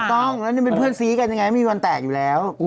ต้องแล้วนี่เป็นเพื่อนซีกันยังไงไม่มีวันแตกอยู่แล้ว